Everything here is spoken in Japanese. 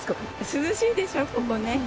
涼しいでしょここね。